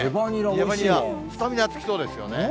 レバニラ、スタミナつきそうですよね。